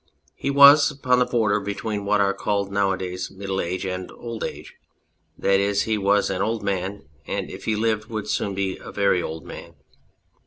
He was upon the border between what are called now a days middle age and old age ; that is, he was an old man, and if he lived would soon be a very old man.